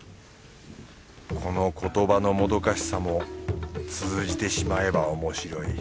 この言葉のもどかしさも通じてしまえばおもしろい。